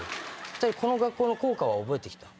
２人学校の校歌は覚えて来た？